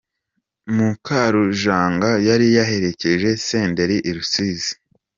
Mukarujanga yari yaherekeje Senderi i Rusizi.